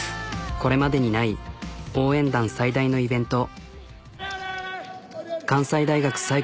これまでにない応援団最大のイベント。